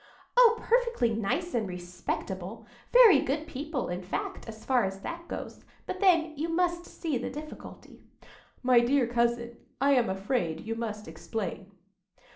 "Oh, perfectly nice and respectable,—very good people, in fact, so far as that goes. But then you must see the difficulty." "My dear cousin, I am afraid you must explain."